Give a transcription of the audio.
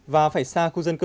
và phải xa khu dân cư